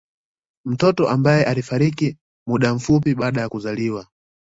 Mtoto ambae alifariki muda mfupi baada ya kuzaliwa